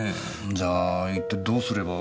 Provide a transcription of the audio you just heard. じゃあ一体どうすれば。